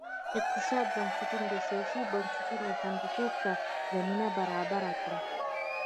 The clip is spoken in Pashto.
اقتصادي بنسټونو د سیاسي بنسټونو خوندیتوب ته زمینه برابره کړه.